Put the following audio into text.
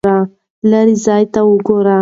لیرې ځای ته وګورئ.